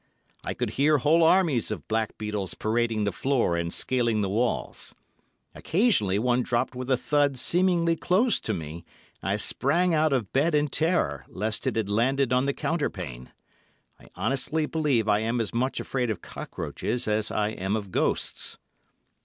I could hear whole armies of blackbeetles parading the floor and scaling the walls. Occasionally, one dropped with a thud seemingly close to me, and I sprang out of bed in terror, lest it had landed on the counterpane. I honestly believe I am as much afraid of cockroaches as I am of ghosts.